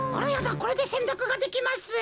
これでせんたくができます。